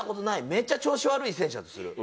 めっちゃ調子悪い選手だったとする。